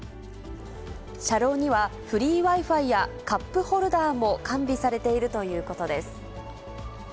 車両にはフリーＷｉ−Ｆｉやカップホルダーも完備されているということです。